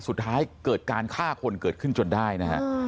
สุดท้ายเกิดการฆ่าคนเกิดขึ้นจนได้นะฮะ